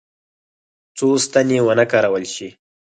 څو ستنې ونه کارول شي.